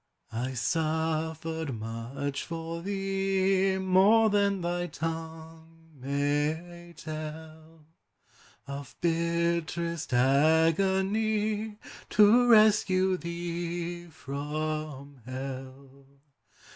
I suffered much for thee, More than thy tongue may tell Of bitterest agony, To rescue thee from hell.